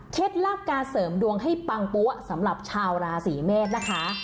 ลับการเสริมดวงให้ปังปั๊วสำหรับชาวราศีเมษนะคะ